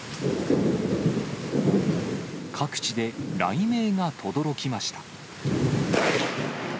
各地で雷鳴がとどろきました。